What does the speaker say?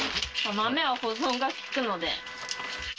豆は保存が利くので。